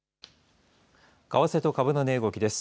為替と株の値動きです。